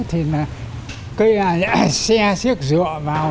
thì là cây xe siếc dựa vào